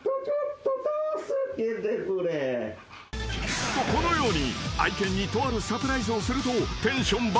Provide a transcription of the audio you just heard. ［とこのように愛犬にとあるサプライズをするとテンション爆